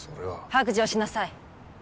白状しなさい！